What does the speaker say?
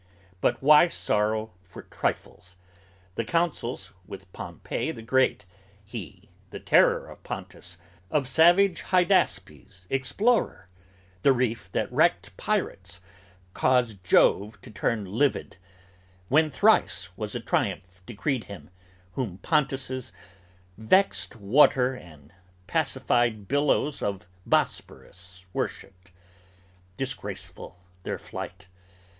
But why sorrow for trifles? The consuls, with Pompey The Great he, the terror of Pontus, of savage Hydaspes Explorer, the reef that wrecked pirates, caused Jove to turn livid, When thrice was a triumph decreed him, whom Pontus' vexed water And pacified billows of Bosphorus worshipped! Disgraceful their Flight!